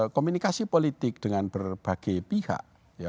komunikasi politik dengan berbagai pihak